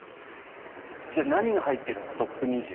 じゃあ、何が入っているのかトップ２０。